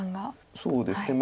そうですね。